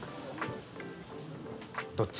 どっち？